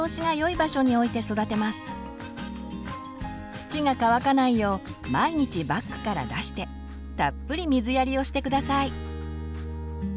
土が乾かないよう毎日バッグから出してたっぷり水やりをして下さい。